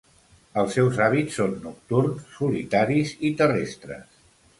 Els seus hàbits són nocturns, solitaris i terrestres.